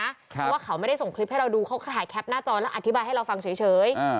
เพราะว่าเขาไม่ได้ส่งคลิปให้เราดูเขาถ่ายแคปหน้าจอแล้วอธิบายให้เราฟังเฉย